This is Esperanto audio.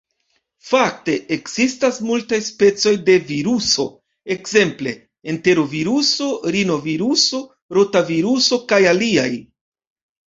Fakte ekzistas multaj specoj de viruso, ekzemple enteroviruso, rinoviruso, rotaviruso kaj aliaj.